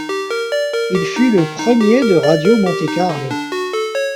Il fut le premier de Radio Monte-Carlo.